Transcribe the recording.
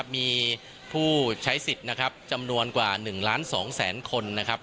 มีผู้ใช้สิทธิ์นะครับจำนวนกว่า๑ล้าน๒แสนคนนะครับ